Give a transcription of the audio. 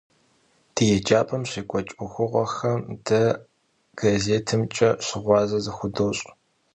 Di yêcap'em şêk'ueç' 'uexuğuexem de gazêtımç'e şığuaze zıxudoş'.